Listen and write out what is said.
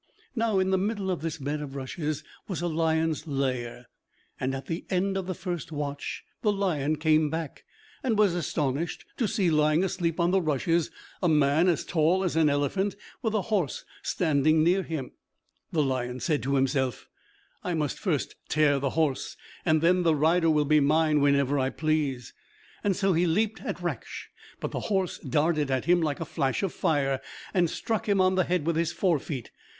Now in the middle of this bed of rushes was a lion's lair, and at the end of the first watch the lion came back, and was astonished to see lying asleep on the rushes a man as tall as an elephant, with a horse standing near him. The lion said to himself, "I must first tear the horse, and then the rider will be mine whenever I please." So he leaped at Raksh; but the horse darted at him like a flash of fire, and struck him on the head with his fore feet.